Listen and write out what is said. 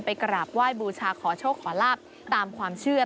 กราบไหว้บูชาขอโชคขอลาบตามความเชื่อ